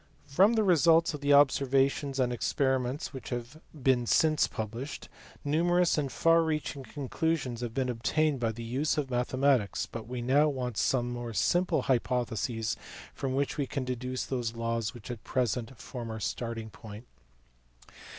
From the results of the observations and experiments which have been since published, numerous and far reaching conclusions have been obtained by the use of mathematics, but we now want some more simple hypotheses from which we can deduce those laws which at present form our starting point.